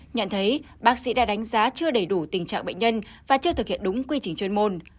nhận thấy bác sĩ đã đánh giá chưa đầy đủ tình trạng bệnh nhân và chưa thực hiện đúng quy trình chuyên môn